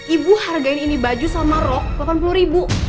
ibu hargain ini baju sama rok rp delapan puluh ribu